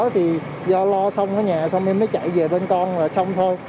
thì do lo xong ở nhà xong em mới chạy về bên con là xong thôi